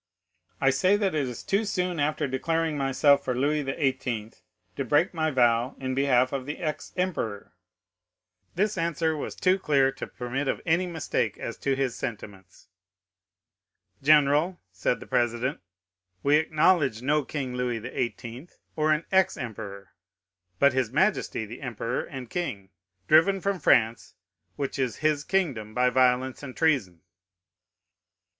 "'"I say that it is too soon after declaring myself for Louis XVIII. to break my vow in behalf of the ex emperor." This answer was too clear to permit of any mistake as to his sentiments. "General," said the president, "we acknowledge no King Louis XVIII., or an ex emperor, but his majesty the emperor and king, driven from France, which is his kingdom, by violence and treason."